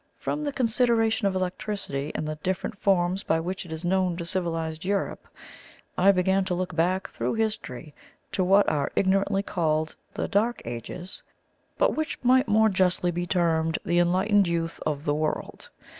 From the consideration of electricity in the different forms by which it is known to civilized Europe, I began to look back through history, to what are ignorantly called 'the dark ages,' but which might more justly be termed the enlightened youth of the world.